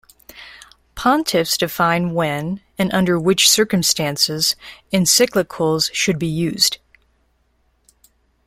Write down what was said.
Pontiffs define when, and under which circumstances, encyclicals should be issued.